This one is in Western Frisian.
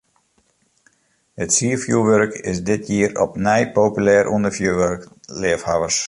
It sierfjurwurk is dit jier opnij populêr ûnder fjurwurkleafhawwers.